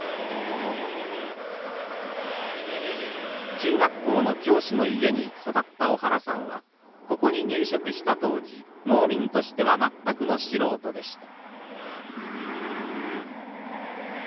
中学校の教師の家に育った小原さんはここに入植した当時農民としては全くの素人でした。